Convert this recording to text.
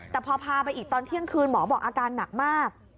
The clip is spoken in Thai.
แต่พอพาไปอีกตอนเที่ยงคืนหมอบอกอาการหนักมาก